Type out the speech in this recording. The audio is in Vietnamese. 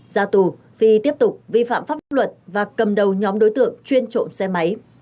ra tù phi tiếp tục vi phạm pháp luật và cầm đầu nhóm đối tượng chuyên trộm xe máy